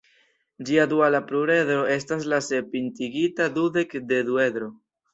Ĝia duala pluredro estas la senpintigita dudek-dekduedro.